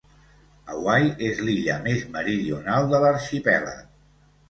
Hawaii és l'illa més meridional de l'arxipèlag.